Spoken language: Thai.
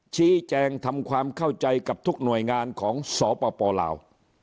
ชี้แจงทำความเข้าใจกับทุกหน่วยงานของสปลาว